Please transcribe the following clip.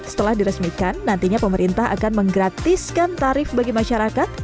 setelah diresmikan nantinya pemerintah akan menggratiskan tarif bagi masyarakat